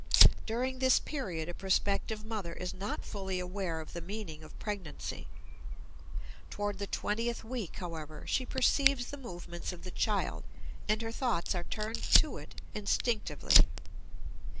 During this period a prospective mother is not fully aware of the meaning of pregnancy. Toward the twentieth week, however, she perceives the movements of the child and her thoughts are turned to it instinctively.